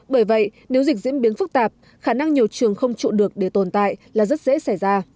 bởi vậy nếu dịch diễn biến phức tạp khả năng nhiều trường không trụ được để tồn tại là rất dễ xảy ra